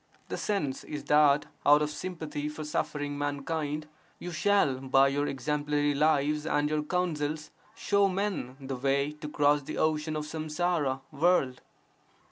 The sense is that out of sympathy for suffering mankind, you shall by your exemplary lives and your counsels show men the way to cross the ocean of samsara (world).